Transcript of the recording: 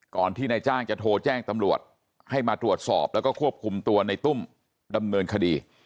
ที่นายจ้างจะโทรแจ้งตำรวจให้มาตรวจสอบแล้วก็ควบคุมตัวในตุ้มดำเนินคดี